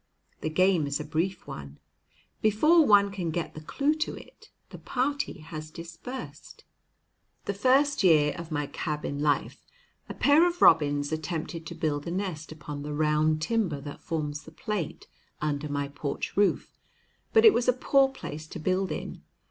The game is a brief one. Before one can get the clew to it, the party has dispersed. The first year of my cabin life a pair of robins attempted to build a nest upon the round timber that forms the plate under my porch roof. But it was a poor place to build in.